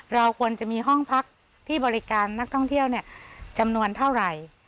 เราควรจะมีห้องพักที่บริการนักท่องเที่ยวจำนวนเท่าไหร่